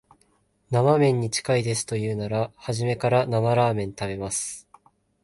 生めんに近いですと言うなら、初めから生ラーメン食べます